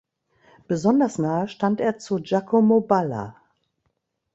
Besonders nahe stand er zu Giacomo Balla.